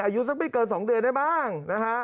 อายุสักไม่เกิน๒เดือนได้บ้าง